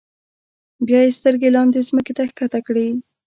بیا یې سترګې لاندې ځمکې ته ښکته کړې.